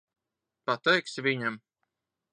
Pateiksi viņam?